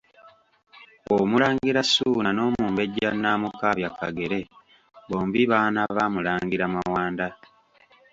Omulangira Ssuuna n'Omumbejja Nnaamukaabya Kagere, bombi baana ba Mulangira Mawanda.